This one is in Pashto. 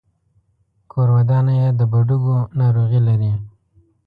کورودانه يې د بډوګو ناروغي لري.